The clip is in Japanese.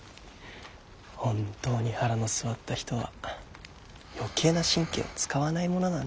本当に腹の据わった人は余計な神経を使わないものなんですね。